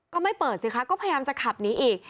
ก็ไม่เปิดสิคะก็พยายามจะขับหนีอีก